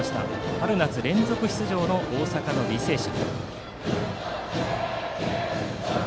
春夏連続出場の大阪・履正社。